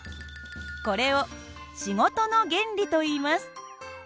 これを仕事の原理といいます。